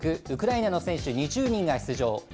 ウクライナの選手２０人が出場。